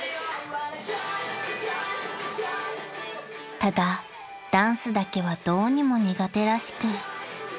［ただダンスだけはどうにも苦手らしく］